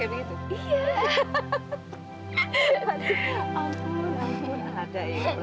ya mudah mudahan ada musik siap